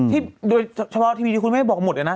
โดยเฉพาะทีวีที่คุณแม่บอกหมดเลยนะ